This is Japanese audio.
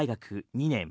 ２年